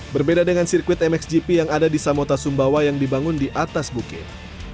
berbeda dengan sirkuit mxgp yang ada di samota sumbawa yang dibangun di atas bukit